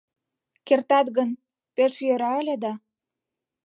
Кертат гын, пеш йӧра ыле да...